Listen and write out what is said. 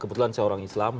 kebetulan saya orang islam